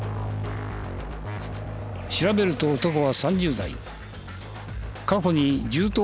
調べると男は３０代。